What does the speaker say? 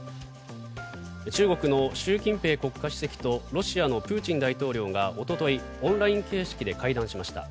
中国の習近平国家主席とロシアのプーチン大統領がおととい、オンライン形式で会談しました。